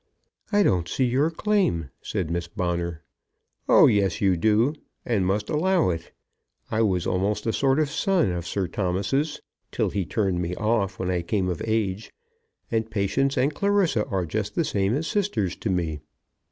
"I don't see your claim," said Miss Bonner. "Oh yes, you do, and must allow it. I was almost a sort of son of Sir Thomas's, till he turned me off when I came of age. And Patience and Clarissa are just the same as sisters to me."